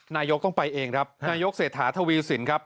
นายกต้องไปเองนายกเสธาธวิสินทร์